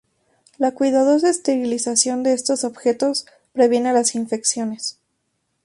Una cuidadosa esterilización de estos objetos previene las infecciones.